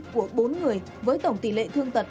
của bốn người với tổng tỷ lệ thương tật